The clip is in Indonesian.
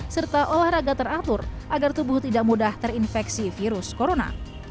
serta olahraga teratur agar tubuh tidak mudah terinfeksi virus corona